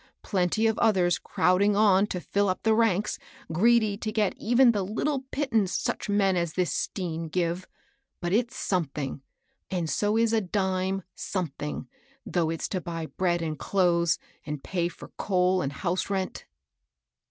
plenty of others crowding on to fill up the ranks, greedy to get even the little pittance such men as this Stean give, because it's something. And so is a dime something^ though it's to buy bread and clothes, and pay for coal and house rent.'